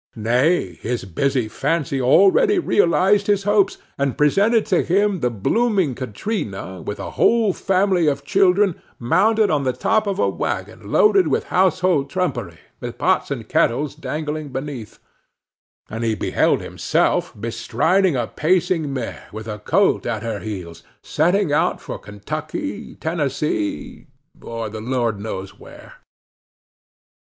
Nay, his busy fancy already realized his hopes, and presented to him the blooming Katrina, with a whole family of children, mounted on the top of a wagon loaded with household trumpery, with pots and kettles dangling beneath; and he beheld himself bestriding a pacing mare, with a colt at her heels, setting out for Kentucky, Tennessee, or the Lord knows where!